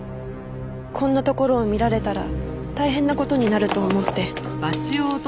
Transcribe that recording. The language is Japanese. こんなところを見られたら大変な事になると思って。